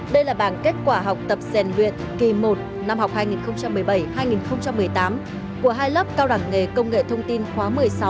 đây là bảng kết quả học tập rèn luyện kỳ một năm học hai nghìn một mươi bảy hai nghìn một mươi tám của hai lớp cao đẳng nghề công nghệ thông tin khóa một mươi sáu